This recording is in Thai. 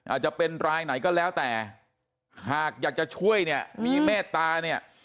อาจจะเป็นรายไหนก็แล้วแต่หากอยากจะช่วยเนี่ยมีเมตตาเนี่ย